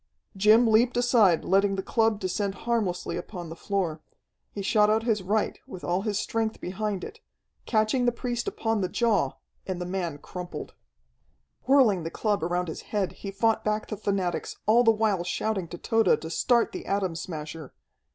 Jim leaped aside, letting the club descend harmlessly upon the floor. He shot out his right with all his strength behind it, catching the priest upon the jaw, and the man crumpled. Whirling the club around his head, he fought back the fanatics, all the while shouting to Tode to start the Atom Smasher.